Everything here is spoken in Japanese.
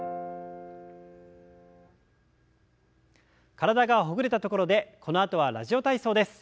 体がほぐれたところでこのあとは「ラジオ体操」です。